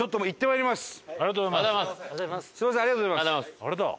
ありがとうございます。